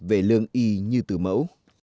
về lương y như tử mẫu